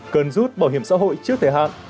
cần rút bảo hiểm xã hội trước thời hạn